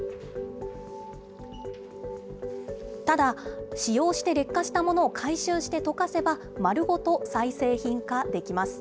ただ使用して劣化したものを回収して溶かせば、丸ごと再製品化できます。